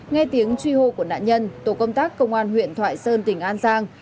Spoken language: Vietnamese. nghe tiếng truy hô của nạn nhân tổ công tác công an huyện thoại sơn tỉnh an giang